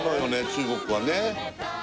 中国はね